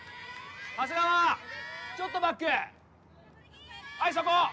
長谷川ちょっとバックはいそこ！